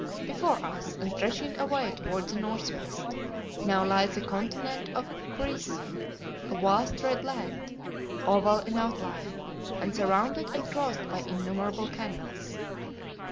Before us, and stretching away toward the northwest, now lay the continent of Chryse, a vast red land, oval in outline, and surrounded and crossed by innumerable canals.